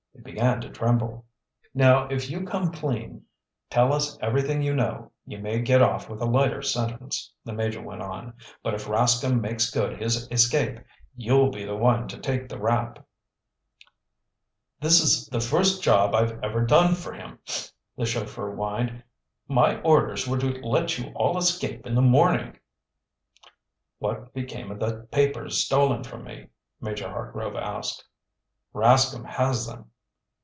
He began to tremble. "Now if you come clean—tell us everything you know—you may get off with a lighter sentence," the Major went on. "But if Rascomb makes good his escape, you'll be the one to take the rap." "This is the first job I've ever done for him," the chauffeur whined. "My orders were to let you all escape in the morning." "What became of the papers stolen from me?" Major Hartgrove asked. "Rascomb has them."